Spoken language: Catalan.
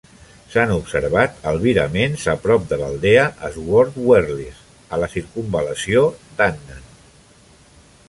S'han observat albiraments a prop de l'aldea Swordwellrigg a la circumval·lació d'Annan.